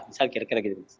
misalnya kira kira gitu